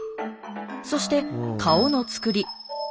そして顔のつくり。